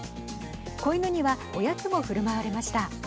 子犬にはおやつもふるまわれました。